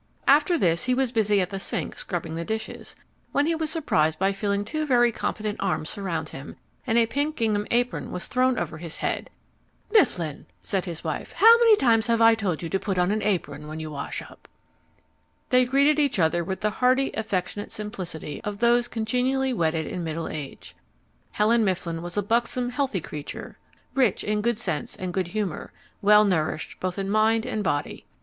After this, he was busy at the sink scrubbing the dishes, when he was surprised by feeling two very competent arms surround him, and a pink gingham apron was thrown over his head. "Mifflin," said his wife, "how many times have I told you to put on an apron when you wash up!" They greeted each other with the hearty, affectionate simplicity of those congenially wedded in middle age. Helen Mifflin was a buxom, healthy creature, rich in good sense and good humour, well nourished both in mind and body.